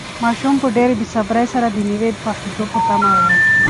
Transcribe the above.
ماشوم په ډېرې بې صبري سره د مېوې پخېدو ته په تمه و.